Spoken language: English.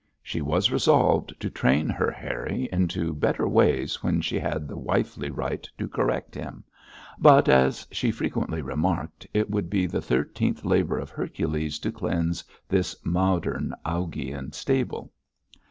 She was resolved to train her Harry into better ways when she had the wifely right to correct him, but, as she frequently remarked, it would be the thirteenth labour of Hercules to cleanse this modern Augean stable.